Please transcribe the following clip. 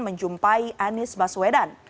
menjumpai anies baswedan